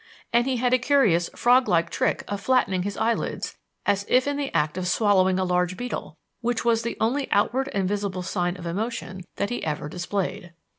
And he had a curious frog like trick of flattening his eyelids as if in the act of swallowing a large beetle which was the only outward and visible sign of emotion that he ever displayed.